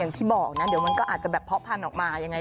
อย่างที่บอกนะเดี๋ยวมันก็อาจจะแบบเพาะพันธุ์ออกมายังไง